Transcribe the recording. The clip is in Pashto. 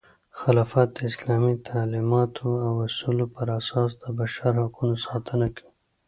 خلافت د اسلامي تعلیماتو او اصولو پراساس د بشر حقونو ساتنه کوي.